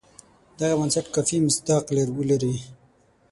دغه بنسټ کافي مصداق ولري.